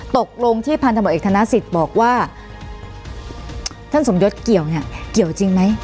ตกลงที่พันธบทเอกธนสิทธิ์บอกว่าท่านสมยศเกี่ยวเนี่ยเกี่ยวจริงไหม